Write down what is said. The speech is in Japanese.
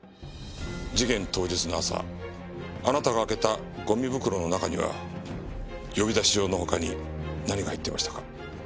事件当日の朝あなたが開けたゴミ袋の中には呼び出し状の他に何が入っていましたか？